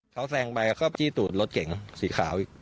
เขาแซงไปก็จี้ตูดรถเก๋งสีขาวอีก